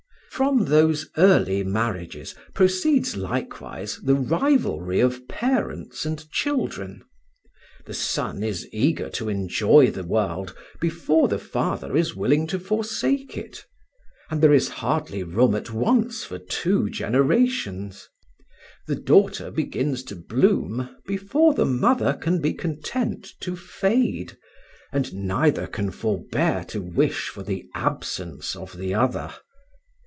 "From those early marriages proceeds likewise the rivalry of parents and children: the son is eager to enjoy the world before the father is willing to forsake it, and there is hardly room at once for two generations. The daughter begins to bloom before the mother can be content to fade, and neither can forbear to wish for the absence of the other.